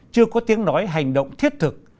chưa có tiếng nói hành động thiết thực